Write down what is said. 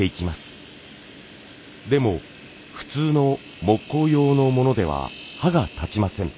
でも普通の木工用のものでは歯が立ちません。